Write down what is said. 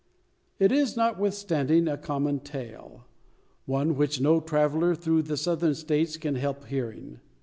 It is, notwithstanding, a common tale; one which no traveller through the Southern States can help hearing.